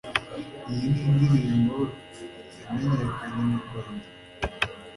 Iyi ni indirimbo yamenyekanye mu Rwanda